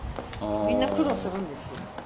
「みんな苦労するんですよ」